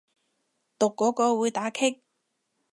讀嗰個會打棘